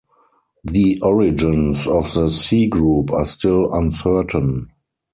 The origins of the C-Group are still uncertain.